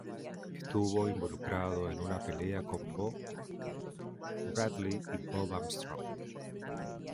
Estuvo involucrado en una pelea con Boo Bradley y Bob Armstrong.